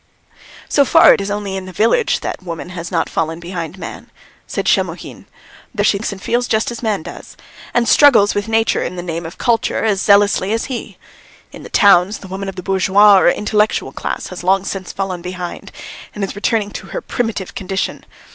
"So far it is only in the village that woman has not fallen behind man," said Shamohin. "There she thinks and feels just as man does, and struggles with nature in the name of culture as zealously as he. In the towns the woman of the bourgeois or intellectual class has long since fallen behind, and is returning to her primitive condition.